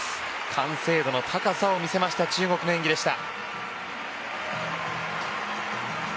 完成度の高さを見せました中国の演技でした。